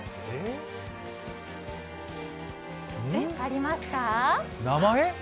分かりますか？